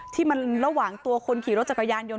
ที่มันระหว่างตัวคนขี่รถจักรยานยนต